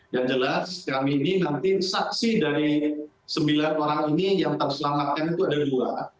yang jelas kami ini nanti saksi dari sembilan orang ini yang terselamatkan itu ada dua